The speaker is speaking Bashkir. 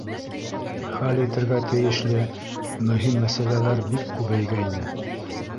Хәл итергә тейешле мөһим мәсьәләләр бик күбәйгәйне.